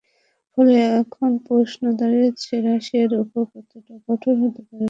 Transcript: ফলে এখন প্রশ্ন দাঁড়াচ্ছে, রাশিয়ার ওপর কতটা কঠোর হতে পারে পশ্চিমা বিশ্ব।